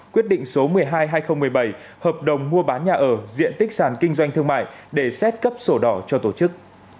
quyết định số một mươi hai hai nghìn một mươi bảy hợp đồng mua bán nhà ở diện tích sàn kinh doanh thương mại để xét cấp sổ đỏ cho tổ chức